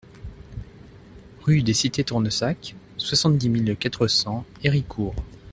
Rue des Cités Tournesac, soixante-dix mille quatre cents Héricourt